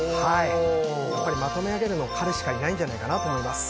まとめ上げるのは彼しかいないんじゃないかなと思います。